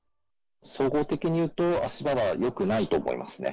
総合的にいうと、足場はよくないと思いますね。